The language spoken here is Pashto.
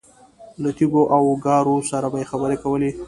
له تیږو او ګارو سره به یې خبرې کولې.